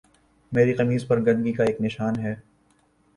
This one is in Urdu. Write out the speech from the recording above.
میری قمیض پر گندگی کا ایک نشان ہے